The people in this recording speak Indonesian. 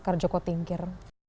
terima kasih pak